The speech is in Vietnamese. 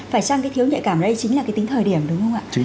phải chăng cái thiếu nhạy cảm đây chính là cái tính thời điểm đúng không ạ